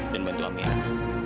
dan bantu amiran